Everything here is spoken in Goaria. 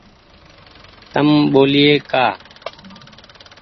تم ٻولئي ڪآ ۔